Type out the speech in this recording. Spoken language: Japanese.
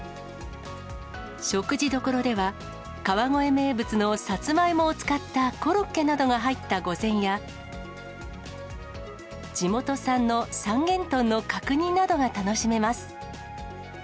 食事どころでは、川越名物のサツマイモを使ったコロッケなどが入った御膳や、地元産の三元豚の角煮などが楽しめます。